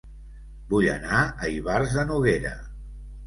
Vull anar a Ivars de Noguera